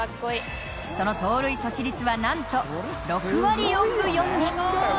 その盗塁阻止率はなんと６割４分４厘。